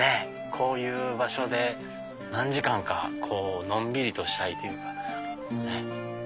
こういう場所で何時間かのんびりとしたいというか。